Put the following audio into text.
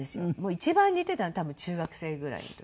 一番似てたの多分中学生ぐらいの時。